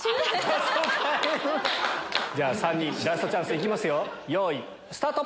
３人ラストチャンスいきますよよいスタート！